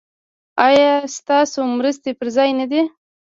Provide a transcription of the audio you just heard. ایا ستاسو مرستې پر ځای نه دي؟